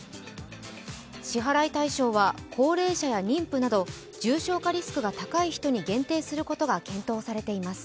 支払い対象は高齢者や妊婦など重症化リスクの高い人に限定することが検討されています。